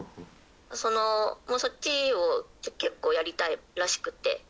「そのもうそっちを結構やりたいらしくて」